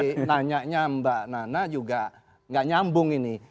jadi nanya mbak nana juga enggak nyambung ini